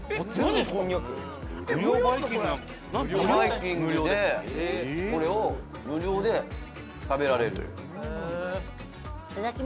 「バイキングでこれを無料で食べられる」